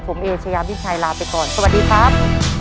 ผมเอเชยามิชัยลาไปก่อนสวัสดีครับ